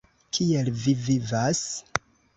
Kiel vi vivas?